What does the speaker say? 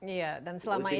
iya dan selama ini